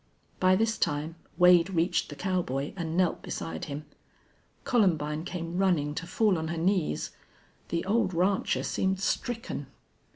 By this time Wade reached the cowboy and knelt beside him. Columbine came running to fall on her knees. The old rancher seemed stricken.